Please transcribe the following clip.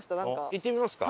行ってみますか。